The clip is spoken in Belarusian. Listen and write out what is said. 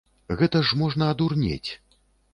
Гэта ж можна адурнець!